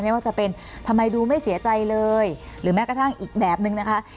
ไม่ว่าจะเป็นทำไมดูไม่เสียใจเลยหรือแม้กระทั่งอีกแบบนึงนะคะ